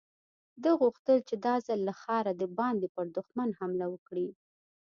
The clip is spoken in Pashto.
ده غوښتل چې دا ځل له ښاره د باندې پر دښمن حمله وکړي.